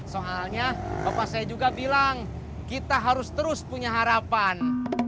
soalnya bapak saya juga bilang kita harus terus punya harapan